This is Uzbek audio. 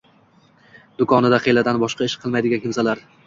Do'konida hiyladan boshqa ish qilmaydigan kimsalar